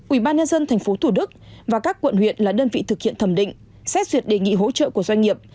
ubnd tp hcm và các quận huyện là đơn vị thực hiện thẩm định xét duyệt đề nghị hỗ trợ của doanh nghiệp